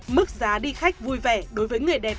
mức giá đi khách vui vẻ đối với người đẹp